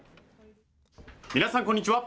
皆さん、こんにちは。